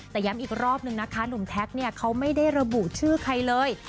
แต่ย้ำอีกรอบนึงนะคะหนุ่มแท็กเนี่ยเขาไม่ได้ระบุชื่อใครเลย